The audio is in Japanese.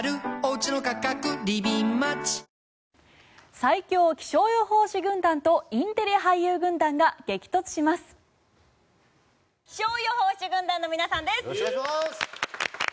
最強気象予報士軍団とインテリ俳優軍団が激突します。